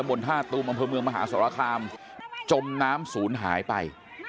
วาลินตะบล๕ตุมอำเภอเมืองมหาศาลคามจมน้ำศูนย์หายไป